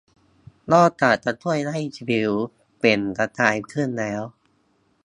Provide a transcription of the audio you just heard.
นอกจากจะช่วยให้ผิวเปล่งประกายขึ้นแล้ว